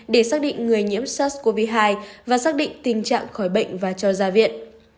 để xác định người nhiễm sars cov hai và xác định tình trạng khỏi bệnh và cho ra viện